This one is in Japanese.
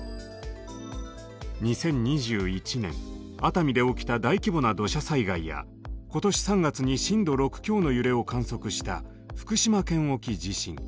２０２１年熱海で起きた大規模な土砂災害や今年３月に震度６強の揺れを観測した福島県沖地震。